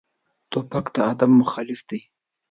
توپک د ادب مخالف دی.